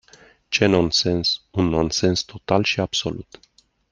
Ce nonsens, un nonsens total și absolut!